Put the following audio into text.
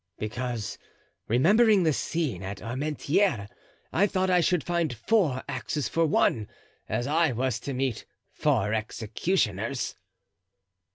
"Because, remembering the scene at Armentieres, I thought I should find four axes for one, as I was to meet four executioners."